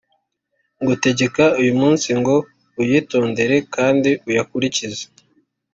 ngutegeka uyu munsi ngo uyitondere kandi uyakurikize,